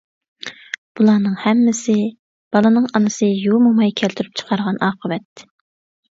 بۇلارنىڭ ھەممىسى بالىنىڭ ئانىسى يۇ موماي كەلتۈرۈپ چىقارغان ئاقىۋەت.